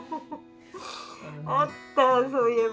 あったそういえば。